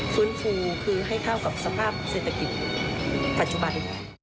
ฟื้นฟูคือให้เข้ากับสภาพเศรษฐกิจปัจจุบัน